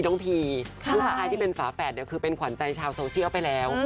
ใครที่เป็นฝาแปดคือเป็นขวัญใจชาวโซเชียลไปแล้ว